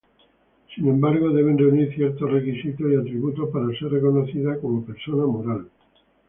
Sin embargo debe reunir ciertos requisitos y atributos para ser reconocida como persona moral.